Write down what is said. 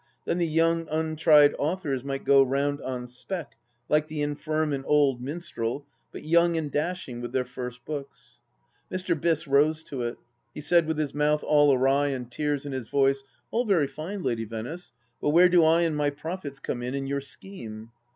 ... Then the young untried authors might go round on spec, like the infirm and old minstrel, but young and dashing, with their first books. ... Mr. Biss rose to it ; he said, with his mouth all awry and tears in his voice "All very fine. Lady Venice, but where do I and my profits come in— in your scheme